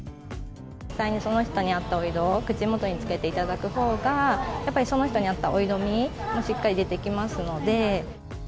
実際にその人に合ったお色を、口元につけていただく方が、やっぱりその人に合ったお色味もしっかり出てきますので。